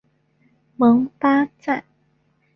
蒙巴赞。